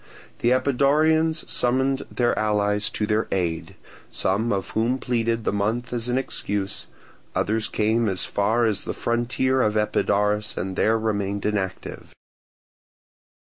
The Epidaurians summoned their allies to their aid, some of whom pleaded the month as an excuse; others came as far as the frontier of Epidaurus and there remained inactive.